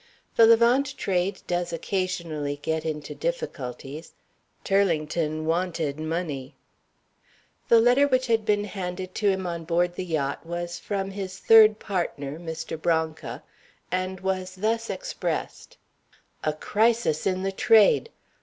The Levant Trade does occasionally get into difficulties. Turlington wanted money. The letter which had been handed to him on board the yacht was from his third partner, Mr. Branca, and was thus expressed: "A crisis in the trade.